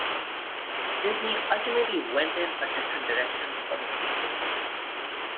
Disney ultimately went in a different direction for the sequel.